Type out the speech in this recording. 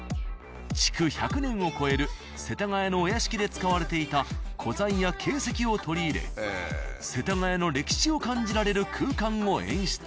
築１００年を超える世田谷のお屋敷で使われていた古材や景石を取り入れ世田谷の歴史を感じられる空間を演出。